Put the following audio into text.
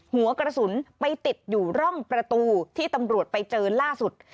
หัวกระสุนไปติดอยู่ร่องประตูที่ตำรวจไปเจอล่าสุด